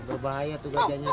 gak bahaya tuh gajahnya